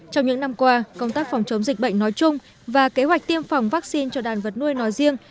trong những năm qua công tác phòng chống dịch bệnh nói chung và kế hoạch tiêm phòng vaccine cho đàn vật nuôi nói riêng